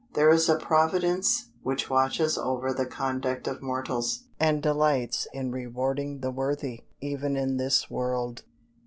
There is a Providence which watches over the conduct of mortals, and delights in rewarding the worthy, even in this world.